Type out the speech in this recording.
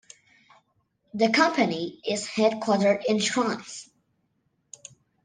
The company is headquartered in Schruns.